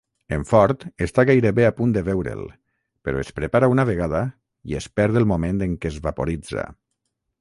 En Ford està gairebé a punt de veure'l, però es prepara una vegada i es perd el moment en què es vaporitza.